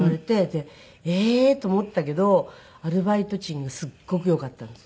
でええー？と思ったけどアルバイト賃がすごくよかったんです。